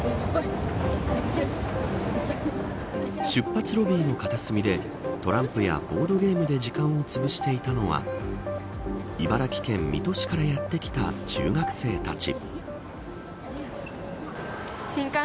出発ロビーの片隅でトランプやボードゲームで時間をつぶしていたのは茨城県水戸市からやって来た中学生たち。